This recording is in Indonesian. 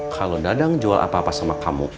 kalau dadang jual apa apa sama kamu